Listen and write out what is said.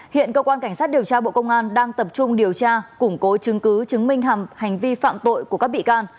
hiện cơ quan cảnh sát điều tra bộ công an đang tập trung điều tra củng cố chứng cứ chứng minh hành vi phạm tội của các bị can